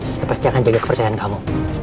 saya pasti akan jaga kepercayaan kamu